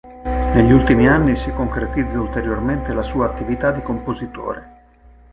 Negli ultimi anni si concretizza ulteriormente la sua attività di compositore.